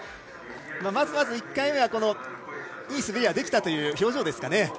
まず１回目はいい滑りができたという表情ですかね。